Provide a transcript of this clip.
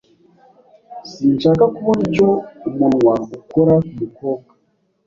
sinshaka 'kubona icyo umunwa ukora kumukobwa